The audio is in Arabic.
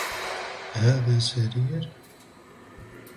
هذا سرير.